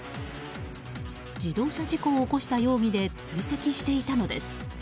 自動車事故を起こした容疑で追跡していたのです。